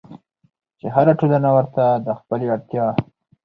چې هره ټولنه ورته د خپلې اړتيا